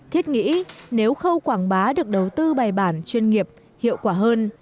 thiết nghĩ nếu khâu quảng bá được đầu tư bài bản chuyên nghiệp hiệu quả hơn